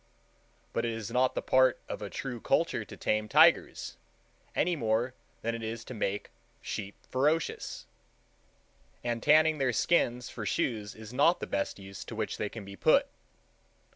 But it is not the part of a true culture to tame tigers, any more than it is to make sheep ferocious; and tanning their skins for shoes is not the best use to which they can be put.